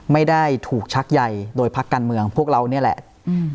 ไม่ได้ถูกชักใยโดยพักการเมืองพวกเรานี่แหละอืม